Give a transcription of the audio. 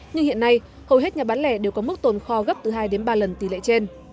nhưng hiện nay hầu hết nhà bán lẻ đều có mức tồn kho gấp từ hai đến ba lần tỷ lệ trên